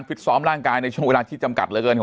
การฟิตซ้อมร่างกายในช่วงเวลาที่จำกัดเลย